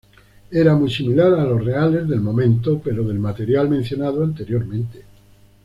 Era muy similar a las reales del momento pero del material mencionado anteriormente.